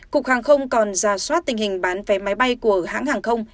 cục hàng không còn ra soát tình hình bán vé máy bay của hãng hàng không